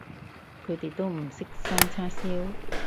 佢哋都唔識生叉燒